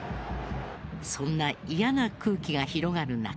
そんな嫌な空気が広がる中。